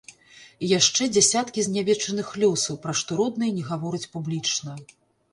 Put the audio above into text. І яшчэ дзясяткі знявечаных лёсаў, пра што родныя не гавораць публічна.